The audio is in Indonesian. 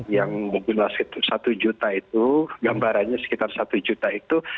yang menggunakan satu juta itu gambarannya sekitar satu juta itu